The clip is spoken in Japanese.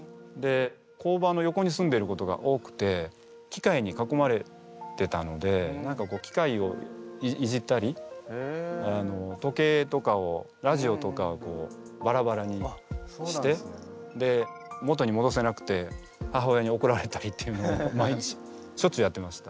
工場の横に住んでることが多くて機械にかこまれてたので機械をいじったり時計とかをラジオとかをバラバラにして元にもどせなくて母親におこられたりっていうのを毎日しょっちゅうやってました。